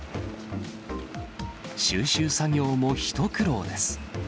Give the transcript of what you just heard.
収集作業も一苦労です。